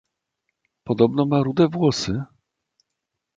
"Podobno ma rude włosy?"